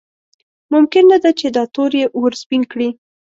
ممکن نه ده چې دا تور یې ورسپین کړي.